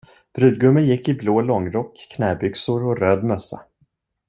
Brudgummen gick i blå långrock, knäbyxor och röd mössa.